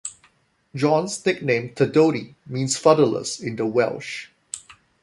John's nickname "Tadody" means "fatherless" in the Welsh.